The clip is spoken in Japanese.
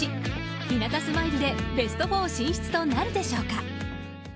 ひなたスマイルでベスト４進出となるでしょうか。